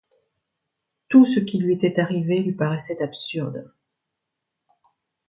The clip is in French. Tout ce qui lui était arrivé lui paraissait absurde.